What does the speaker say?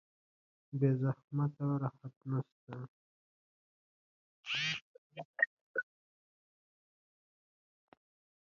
بې زحمت راحت نشته